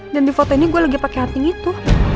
dan di foto ini gue lagi pake anting itu